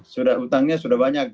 sudah utangnya sudah banyak